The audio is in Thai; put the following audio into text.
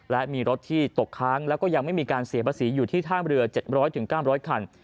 และมีรถที่ตกค้างแล้วก็ยังไม่มีการเสียภาษีอยู่ที่ท่ามเรือ๗๐๐๙๐๐คัน